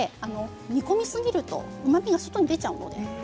煮込みすぎるとうまみが外に出ちゃうので。